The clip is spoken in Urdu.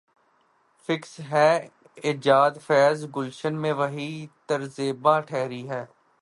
قفس میں ایجادفیض، گلشن میں وہی طرز بیاں ٹھہری ہے۔